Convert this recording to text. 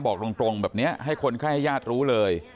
บอกตรงแบบนี้ให้คนไข้ยาดรู้เลย